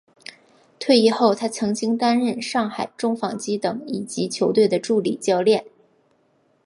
退役后他曾经担任上海中纺机等乙级球队的助理教练。